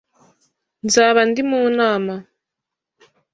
Nzaba ndi mu nama.